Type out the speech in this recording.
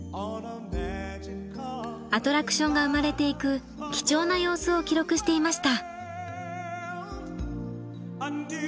アトラクションが生まれていく貴重な様子を記録していました。